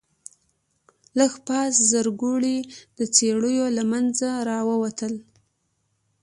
لږ پاس زرکوړي د څېړيو له منځه راووتل.